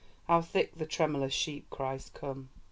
How thick the tremulous sheep cries come!